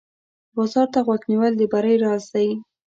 بازار ته غوږ نیول د بری راز دی.